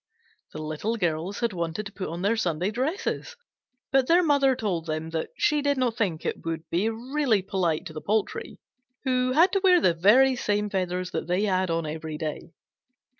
The Little Girls had wanted to put on their Sunday dresses, but their mother told them that she did not think it would be really polite to the poultry, who had to wear the very same feathers that they had on every day.